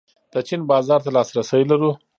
د چین بازار ته لاسرسی لرو؟